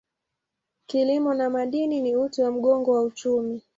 Kilimo na madini ni uti wa mgongo wa uchumi.